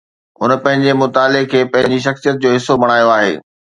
هن پنهنجي مطالعي کي پنهنجي شخصيت جو حصو بڻايو آهي